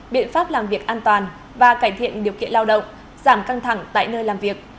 biện pháp làm việc an toàn và cải thiện điều kiện lao động giảm căng thẳng tại nơi làm việc